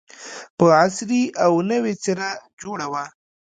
په عصري او نوې څېره جوړه وه.